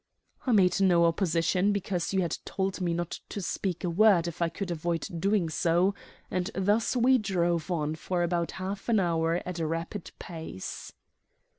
I made no opposition, because you had told me not to speak a word if I could avoid doing so; and thus we drove on for about half an hour at a rapid pace."